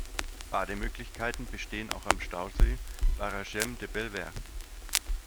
Bademöglichkeiten bestehen auch am Stausee "Barragem de Belver".